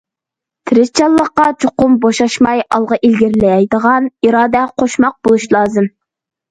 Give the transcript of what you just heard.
تىرىشچانلىققا چوقۇم بوشاشماي ئالغا ئىلگىرىلەيدىغان ئىرادە قوشماق بولۇشى لازىم.